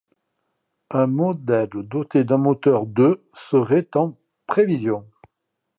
Un modèle doté d'un moteur de serait en prévision.